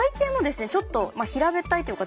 ちょっと平べったいというか座布団みたい。